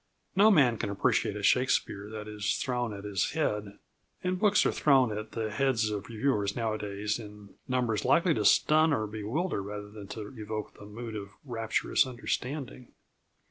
No man can appreciate a Shakespeare that is thrown at his head, and books are thrown at the heads of reviewers nowadays in numbers likely to stun or bewilder rather than to evoke the mood of rapturous understanding.